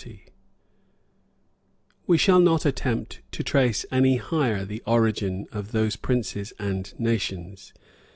] We shall not attempt to trace any higher the origin of those princes and nations.